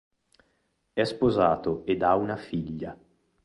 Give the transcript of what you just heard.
È sposato ed ha una figlia.